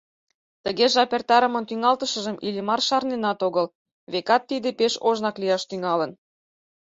Тыге жап эртарымын тӱҥалтышыжым Иллимар шарненат огыл, векат, тиде пеш ожнак лияш тӱҥалын.